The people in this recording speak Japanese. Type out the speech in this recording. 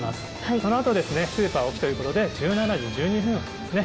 その後スーパーおきということで１７時１２分発ですね。